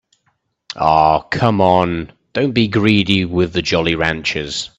Oh, come on, don't be greedy with the Jolly Ranchers.